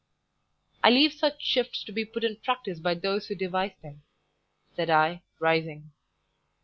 "I leave such shifts to be put in practice by those who devise them," said I, rising.